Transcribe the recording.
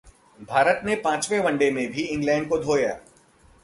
भारत ने पांचवें वनडे में भी इंग्लैंड को धोया